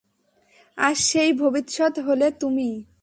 আর সেই ভবিষ্যৎ হলে তুমি।